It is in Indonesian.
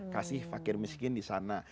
kasih fakir miskin disana